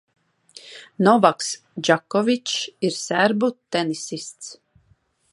Novaks Džokovičs ir serbu tenisists.